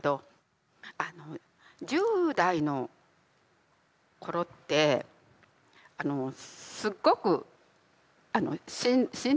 あの１０代の頃ってあのすっごくしんどくて。